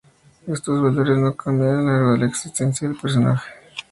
Estos valores no cambian a lo largo de la existencia del personaje.